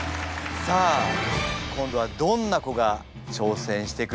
さあ今度はどんな子が挑戦してくれるんでしょうか。